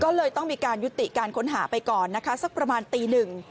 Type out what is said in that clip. ก็เลยต้องมีการยุติการค้นหาไปก่อนนะคะสักประมาณตีหนึ่ง